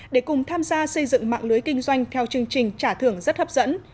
để cùng tham gia xây dựng mạng lưới kinh doanh theo chương trình trả thưởng rất hấp dẫn